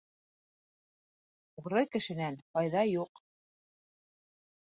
Уғры кешенән файҙа юҡ.